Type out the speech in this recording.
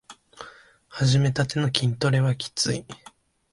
はじめたての筋トレはきつい